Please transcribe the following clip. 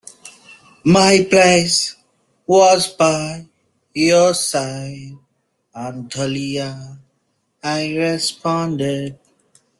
"My place was by your side, Aunt Dahlia," I responded.